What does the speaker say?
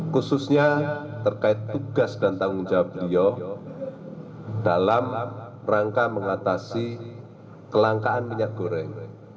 khususnya terkait tugas dan tanggung jawab beliau dalam rangka mengatasi kelangkaan minyak goreng